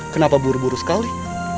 kenapa buru buru sekali